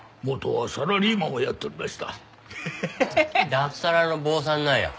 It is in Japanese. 脱サラの坊さんなんや。